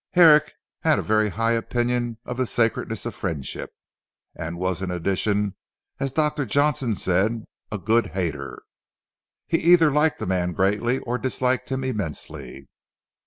Herrick had a very high opinion of the sacredness of friendship, and was in addition as Dr. Johnson said "a good hater." He either liked a man greatly or disliked him immensely.